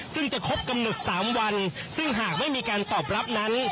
ซึ่งจะครบกำหนด๓วันซึ่งหากไม่มีการตอบรับนั้น